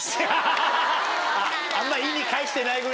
あんまり意に介してないぐらいの。